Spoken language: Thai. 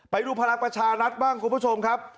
ไปดูพลังประชารัฐบ้างคุณผู้ชมครับ